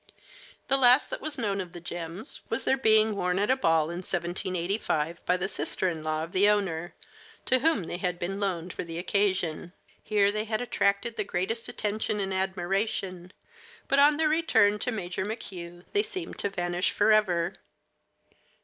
The last that was known of the gems was their being worn at a ball in 1785 by the sister in law of the owner, to whom they had been loaned for the occasion. Here they had attracted the greatest attention and admiration, but on their return to Major McHugh they seemed to vanish forever.